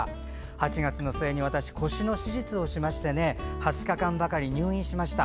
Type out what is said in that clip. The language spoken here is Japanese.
８月の末に私、腰の手術をしまして２０日間ばかり入院しました。